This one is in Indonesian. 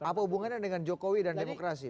apa hubungannya dengan jokowi dan demokrasi